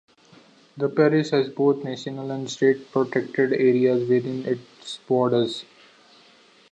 The parish has both national and state protected areas within its borders.